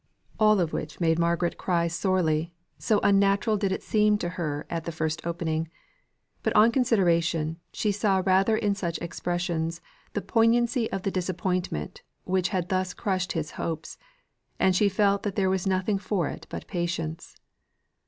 All of which made Margaret cry sorely, so unnatural did it seem to her at the first opening; but on consideration, she saw rather in such expression the poignancy of the disappointment which had thus crushed his hopes; and she felt that there was nothing for it but patience.